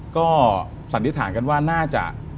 ก็สันนิษฐานกันว่าน่าจะ